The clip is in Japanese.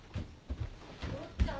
よっちゃん